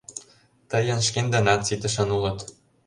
— Тыйын шкендынат ситышын улыт...